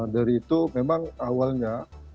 dari itu memang awalnya